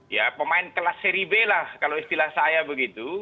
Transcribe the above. ya pemain kelas seri b lah kalau istilah saya begitu